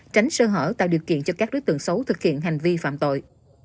tránh sơ hở tạo điều kiện cho các đối tượng xấu thực hiện hành vi phạm tội